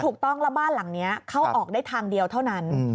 ถูกต้องแล้วบ้านหลังนี้เข้าออกได้ทางเดียวเท่านั้น